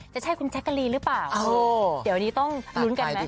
จะใช่คุณแจ๊กกะลีนหรือเปล่าเดี๋ยวนี้ต้องลุ้นกันไหม